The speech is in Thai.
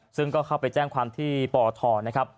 ซึ่งก็เข้าไปแจ้งความที่ปอทนะครับ